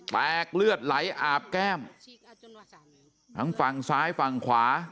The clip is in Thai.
เลือดไหลอาบแก้มทั้งฝั่งซ้ายฝั่งขวา